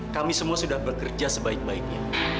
kami semua sudah bekerja sebaik baiknya